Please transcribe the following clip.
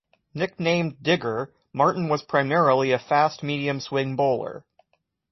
Nicknamed "Digger", Martin was primarily a fast-medium swing bowler.